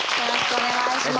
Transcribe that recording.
お願いします。